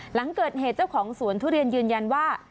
หลังเกิดเหตุเจ้าของสวนทุเรียนยืนยันว่า